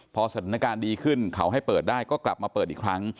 พอสถานการณ์ดีขึ้นเขาให้เปิดได้ก็กลับมาเปิดอีกครั้ง